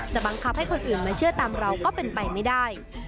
บังคับให้คนอื่นมาเชื่อตามเราก็เป็นไปไม่ได้